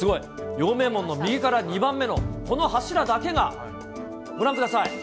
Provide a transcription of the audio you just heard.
陽明門の右から２番目のこの柱だけが、ご覧ください。